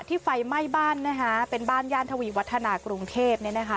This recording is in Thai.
ไฟไหม้บ้านนะคะเป็นบ้านย่านทวีวัฒนากรุงเทพเนี่ยนะคะ